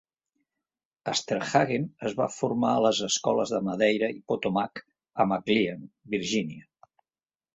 Sternhagen es va formar a les escoles de Madeira i Potomac a McLean, Virgínia.